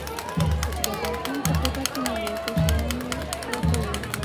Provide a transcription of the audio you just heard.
جبار خان په کوټه کې نه و، خو شیان یې پراته و.